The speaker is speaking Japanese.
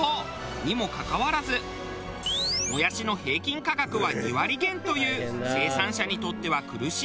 にもかかわらずもやしの平均価格は２割減という生産者にとっては苦しい現状。